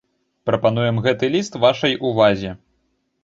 Прапануем гэты ліст вашай увазе.